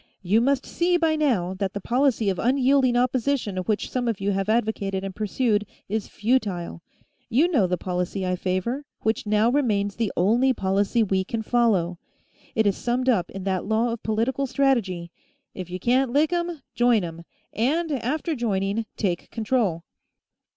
"You must see, by now, that the policy of unyielding opposition which some of you have advocated and pursued is futile. You know the policy I favor, which now remains the only policy we can follow; it is summed up in that law of political strategy: If you can't lick 'em, join 'em, and, after joining, take control.